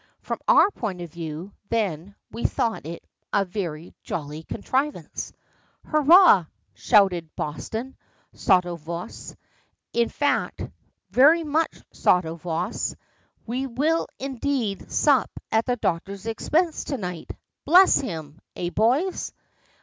From our point of view, then, we thought it a very jolly contrivance. "Hurrah!" shouted Boston, sotto voce in fact, very much sotto voce "we will indeed sup at the doctor's expense to night, bless him! eh, boys?"